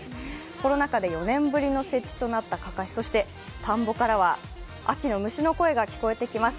コロナ禍で４年ぶりの設置となったかかし、そして田んぼからは秋の虫の声が聞こえてきます。